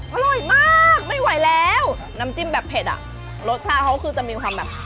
อร่อยมากไม่ไหวแล้วน้ำจิ้มแบบเผ็ดอ่ะรสชาติเขาคือจะมีความแบบ